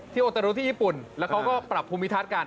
โอตารุที่ญี่ปุ่นแล้วเขาก็ปรับภูมิทัศน์กัน